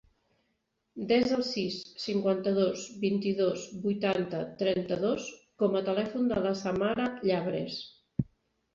Desa el sis, cinquanta-dos, vint-i-dos, vuitanta, trenta-dos com a telèfon de la Samara Llabres.